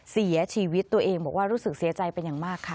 เสียชีวิตตัวเองบอกว่ารู้สึกเสียใจเป็นอย่างมากค่ะ